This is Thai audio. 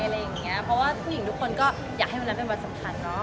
เพราะว่าผู้หญิงด้วยอยากให้วันเป็นวันสำคัญ